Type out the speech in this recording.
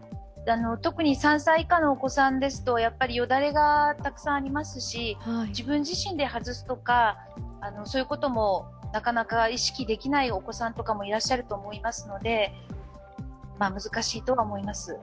特に３歳以下のお子さんですとやっぱりよだれがたくさんありますし、自分自身で外すとかそういうこともなかなか意識できないお子さんとかもいらっしゃると思いますので難しいとは思います。